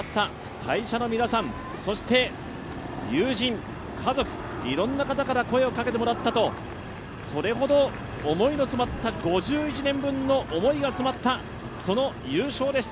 会社の皆さん、そして友人、家族、いろんな方から声をかけてもらったと、それほど、５１年の思いが詰まったその優勝でした。